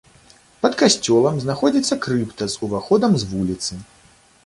Пад касцёлам знаходзіцца крыпта з уваходам з вуліцы.